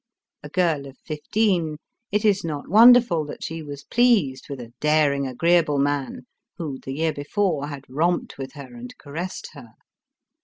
A girl of fifteen, it is not wonderful that she was pleased with a daring, agreeable man, who, the year before, had romped with her and caressed her.